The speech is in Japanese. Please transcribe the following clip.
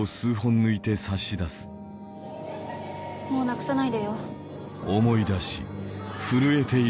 もうなくさないでよおい！